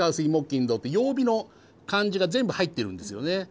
金土って曜日の漢字がぜんぶ入ってるんですよね。